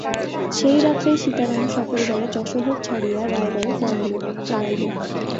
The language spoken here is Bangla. সেই রাত্রেই সীতারাম সপরিবারে যশোহর ছাড়িয়া রায়গড়ে পলাইল।